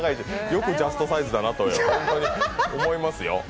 よくジャストサイズだなと本当に思いますよ。